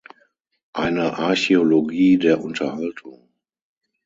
Eine Archäologie der Unterhaltung.